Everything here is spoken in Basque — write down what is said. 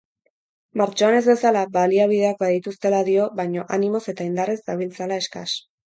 Martxoan ez bezala, baliabideak badituztela dio baina animoz eta indarrez dabiltzala eskas.